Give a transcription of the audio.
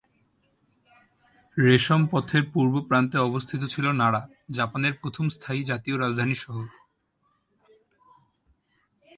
রেশম পথের পূর্ব প্রান্তে অবস্থিত ছিল নারা, জাপানের প্রথম স্থায়ী জাতীয় রাজধানী শহর।